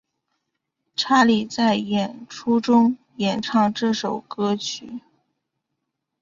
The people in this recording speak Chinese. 查理在演出中演唱这首歌曲。